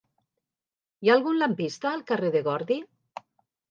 Hi ha algun lampista al carrer de Gordi?